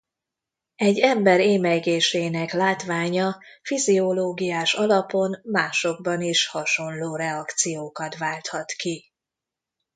Egy ember émelygésének látványa fiziológiás alapon másokban is hasonló reakciókat válthat ki.